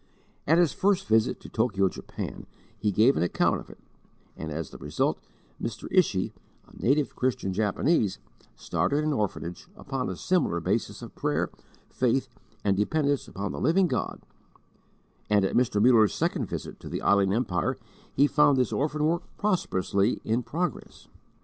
At his first visit to Tokyo, Japan, he gave an account of it, and as the result, Mr. Ishii, a native Christian Japanese, started an orphanage upon a similar basis of prayer, faith, and dependence upon the Living God, and at Mr. Muller's second visit to the Island Empire he found this orphan work prosperously in progress.